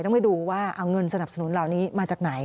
ต้องไปดูว่าเอาเงินสนับสนุนเหล่านี้มาจากไหน